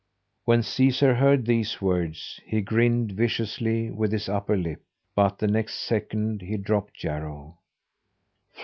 When Caesar heard these words, he grinned viciously with his upper lip, but the next second he dropped Jarro.